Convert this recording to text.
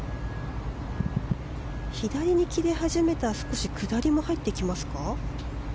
左に切れ始めたら少し下りも入ってきますか？